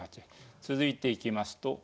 続いていきますと。